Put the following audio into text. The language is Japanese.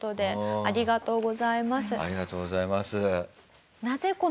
ありがとうございます。